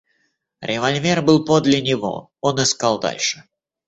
Револьвер был подле него, — он искал дальше.